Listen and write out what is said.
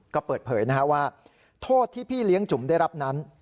ก็เปิดเผยว่าโทษที่พี่เลี้ยงจุ๋มได้รับนั้น